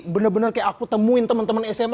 benar benar kayak aku temukan teman teman sma